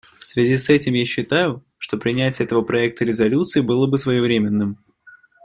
В связи с этим я считаю, что принятие этого проекта резолюции было бы своевременным.